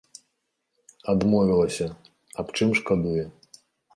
Адмовілася, аб чым шкадуе.